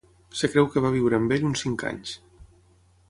Es creu que va viure amb ell uns cinc anys.